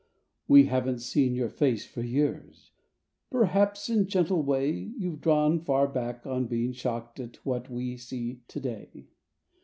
We haven't seen your face for years; per¬ haps in gentle way You've drawn far back on being shocked at what we see to day.